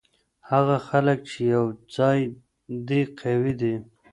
هغه خلګ چي یو ځای دي قوي دي.